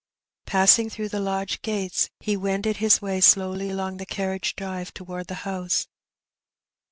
*' Passing through the lodge gates, he wended his way slowly along the carriage drive towards the house.